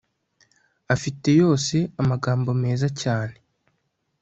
afite yose amagambo meza cyane